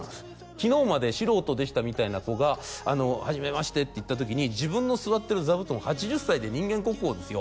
昨日まで素人でしたみたいな子が「はじめまして」っていった時に自分の座ってる座布団８０歳で人間国宝ですよ